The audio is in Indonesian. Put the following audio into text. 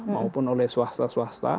maupun oleh swasta swasta